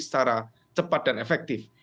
secara cepat dan efektif